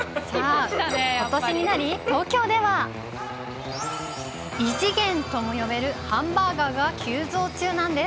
ことしになり、東京では、異次元とも呼べるハンバーガーが急増中なんです。